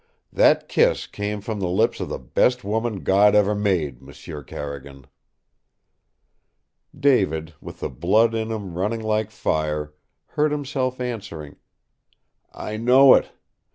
That kiss came from the lips of the best woman God ever made, M'sieu Carrigan!" David, with the blood in him running like fire, heard himself answering, "I know it.